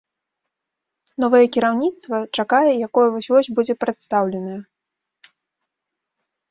Новае кіраўніцтва чакае, якое вось-вось будзе прадстаўленае.